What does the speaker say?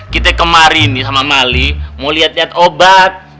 kita kemarin nih sama mali mau liat liat obat